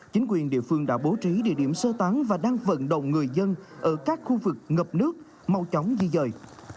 chính quyền địa phương đã bố trí địa điểm sơ tán và đang vận động người dân ở các khu vực ngập nước mau chóng di dời